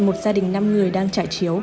một gia đình năm người đang trải chiếu